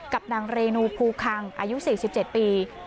กับนางเรนูภูคังอายุ๔๗ปี